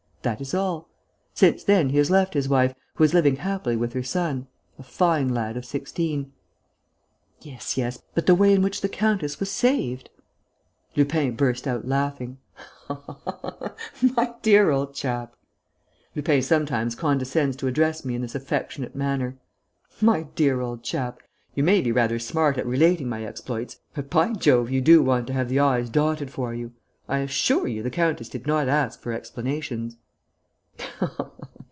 That is all. Since then, he has left his wife, who is living happily with her son, a fine lad of sixteen." "Yes ... yes ... but the way in which the countess was saved?" Lupin burst out laughing: "My dear old chap" Lupin sometimes condescends to address me in this affectionate manner "my dear old chap, you may be rather smart at relating my exploits, but, by Jove, you do want to have the i's dotted for you! I assure you, the countess did not ask for explanations!"